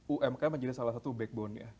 umk menjadi salah satu backbone nya